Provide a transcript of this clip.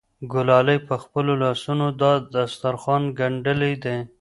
ګلالۍ په خپلو لاسونو دا دسترخوان ګنډلی دی.